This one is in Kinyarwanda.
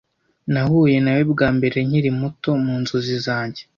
Nahuye nawe bwa mbere nkiri muto, mu nzozi zanjye.